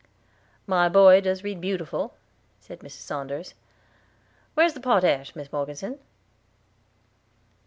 "My boy does read beautiful," said Mrs. Saunders. "Where's the potash, Mis Morgeson?"